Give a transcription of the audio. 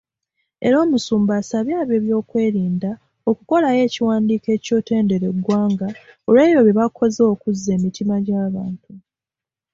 Era Omusumba abasabye ab'ebyokwerinda okukolayo ekiwandiiko ekyetondera eggwanga olwebyo bye bakoze okuzza emitima gy'abantu.